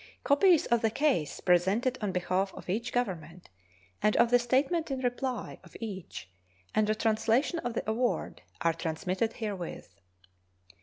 Copies of the "case" presented on behalf of each Government, and of the "statement in reply" of each, and a translation of the award, are transmitted herewith.